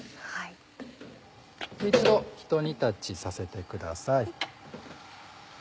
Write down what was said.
一度ひと煮立ちさせてください。